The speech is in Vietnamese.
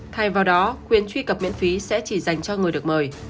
thay vào đó quyền truy cập miễn phí sẽ chỉ dành cho người được mời